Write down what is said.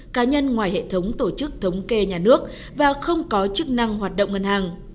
cá nhân ngoài hệ thống tổ chức thống kê nhà nước và không có chức năng hoạt động ngân hàng